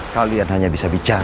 kalian hanya bisa bicara